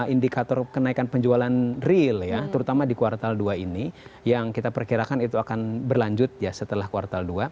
indikator kenaikan penjualan real ya terutama di kuartal dua ini yang kita perkirakan itu akan berlanjut ya setelah kuartal dua